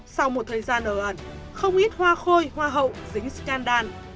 sau một thời gian ở ẩn không ít hoa khôi hoa hậu dính scandal